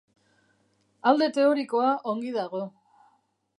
Alde teorikoa ongi dago.